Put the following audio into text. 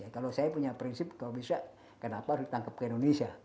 kalau saya punya prinsip kalau bisa kenapa harus ditangkap ke indonesia